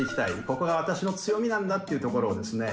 ここが私の強みなんだっていうところをですね